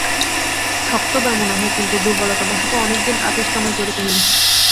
শক্ত ব্যামো নহে, কিন্তু দুর্বলতাবশত অনেক দিন আপিস কামাই করিতে হইল।